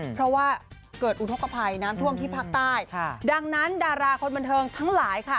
เพราะว่าเกิดอุทธกภัยน้ำท่วมที่ภาคใต้ดังนั้นดาราคนบันเทิงทั้งหลายค่ะ